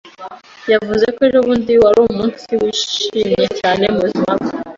yavuze ko ejobundi wari umunsi wishimye cyane mubuzima bwe.